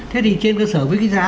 thế thì trên cơ sở với cái giá